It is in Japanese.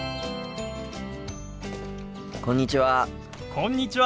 こんにちは。